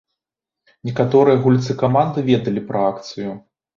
Некаторыя гульцы каманды ведалі пра акцыю.